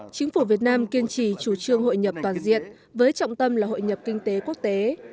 chính phủ việt nam kiên trì chủ trương hội nhập toàn diện với trọng tâm là hội nhập kinh tế quốc tế